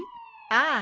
ああ。